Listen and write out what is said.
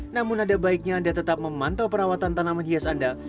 namun ada baiknya anda tetap memantau perawatan tanaman hias anda